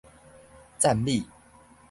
讚美